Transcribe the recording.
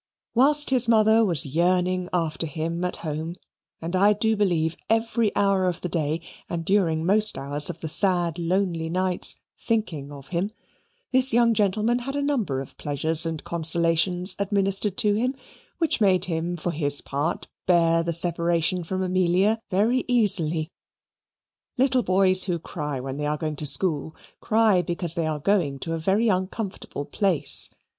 Whilst his mother was yearning after him at home, and I do believe every hour of the day, and during most hours of the sad lonely nights, thinking of him, this young gentleman had a number of pleasures and consolations administered to him, which made him for his part bear the separation from Amelia very easily. Little boys who cry when they are going to school cry because they are going to a very uncomfortable place.